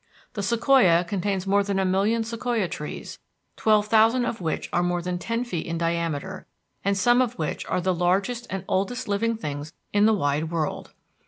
The Sequoia contains more than a million sequoia trees, twelve thousand of which are more than ten feet in diameter, and some of which are the largest and oldest living things in the wide world.